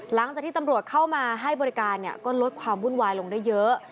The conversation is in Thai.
หลังจากที่ตำรวจเข้ามาให้บริการก็ลดความวุ่นวายลงได้เยอะ